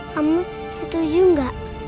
kamu setuju enggak